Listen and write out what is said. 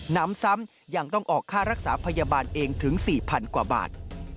น้ำซ้ำยังต้องออกค่ารักษาพยาบาลเองถึง๔๐๐๐กว่าบาท